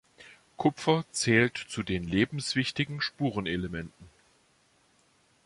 Kupfer zählt zu den lebenswichtigen Spurenelementen.